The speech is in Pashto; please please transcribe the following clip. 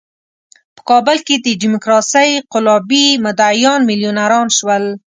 په کابل کې د ډیموکراسۍ قلابي مدعیان میلیونران شول.